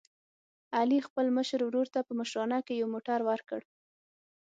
علي خپل مشر ورور ته په مشرانه کې یو موټر ور کړ.